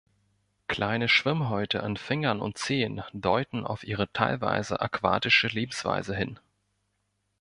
Kleine Schwimmhäute an Fingern und Zehen deuten auf ihre teilweise aquatische Lebensweise hin.